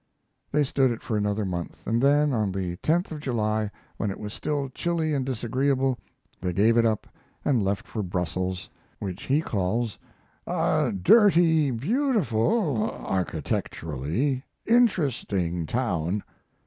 They stood it for another month, and then on the 10th of July, when it was still chilly and disagreeable, they gave it up and left for Brussels, which he calls "a dirty, beautiful (architecturally), interesting town."